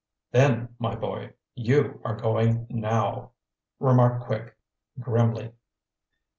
"Then, my boy, you are going now," remarked Quick grimly.